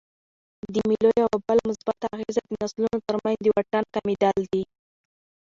د مېلو یوه بله مثبته اغېزه د نسلونو ترمنځ د واټن کمېدل دي.